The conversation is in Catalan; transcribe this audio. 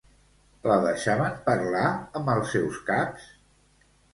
La deixaven parlar amb els seus caps?